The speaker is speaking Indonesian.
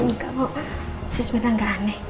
enggak bu sus mirna enggak aneh